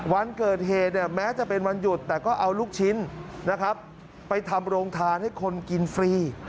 วันเกิดเหตุเนี่ยแม้จะเป็นวันหยุดแต่ก็เอาลูกชิ้นนะครับไปทำโรงทานให้คนกินฟรี